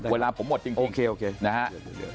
เวลาผมหมดจริงนะครับ